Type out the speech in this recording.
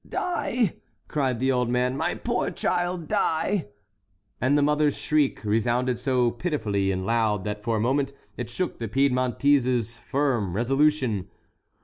"Die!" cried the old man; "my poor child die!" And the mother's shriek resounded so pitifully and loud that for a moment it shook the Piedmontese's firm resolution.